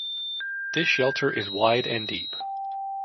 This shelter is wide and deep.